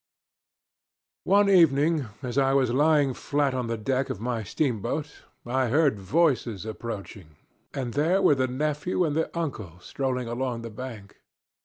II "One evening as I was lying flat on the deck of my steamboat, I heard voices approaching and there were the nephew and the uncle strolling along the bank.